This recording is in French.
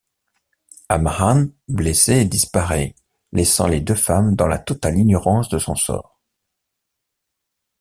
Amaan, blessé, disparaît, laissant les deux femmes dans la totale ignorance de son sort.